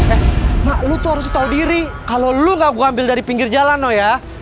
eh ma lu tuh harus tau diri kalo lu gak gue ambil dari pinggir jalan no ya